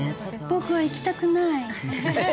「僕は行きたくない」。